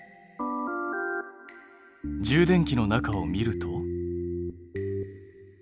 充電器の中を見ると。